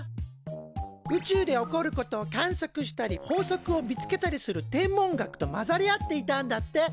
宇宙で起こることを観測したり法則を見つけたりする天文学と混ざり合っていたんだって。